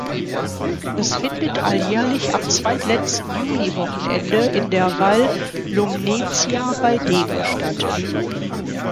Es findet alljährlich am zweitletzten Juli-Wochenende in der Val Lumnezia bei Degen statt.